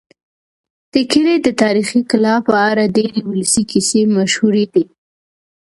د کلي د تاریخي کلا په اړه ډېرې ولسي کیسې مشهورې دي.